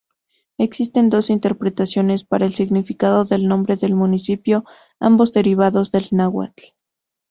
Existen dos interpretaciones para el significado del nombre del municipio, ambos derivados del náhuatl.